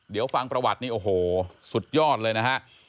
เดี๋ยวฟังประวัตินี่โอ้โหสุดยอดเลยนะฮะ